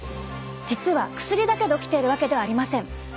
実は薬だけで起きているわけではありません。